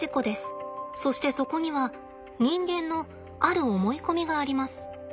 そしてそこには人間のある思い込みがあります。